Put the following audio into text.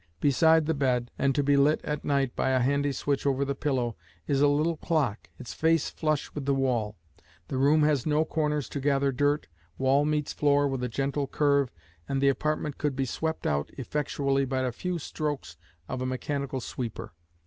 Beside the bed, and to be lit at night by a handy switch over the pillow, is a little clock, its face flush with the wall. The room has no corners to gather dirt, wall meets floor with a gentle curve, and the apartment could be swept out effectually by a few strokes of a mechanical sweeper.